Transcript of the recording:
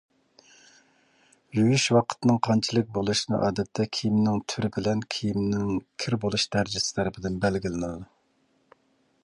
يۇيۇش ۋاقتىنىڭ قانچىلىك بولۇشى ئادەتتە كىيىمنىڭ تۈرى بىلەن كىيىمنىڭ كىر بولۇش دەرىجىسى تەرىپىدىن بەلگىلىنىدۇ.